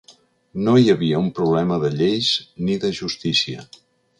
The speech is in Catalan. No hi havia un problema de lleis ni de justícia.